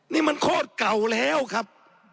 นี่มันโคตรเก่าแล้วครับ